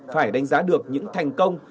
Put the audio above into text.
phải đánh giá được những thành công